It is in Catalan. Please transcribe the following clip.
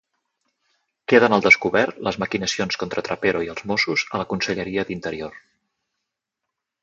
Queden al descobert les maquinacions contra Trapero i els Mossos a la Conselleria d'Interior.